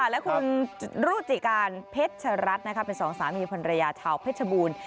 และคุณรุจิการเพชรชรัฐเป็นสองสามีภรรยาชาวเพชรบูรณ์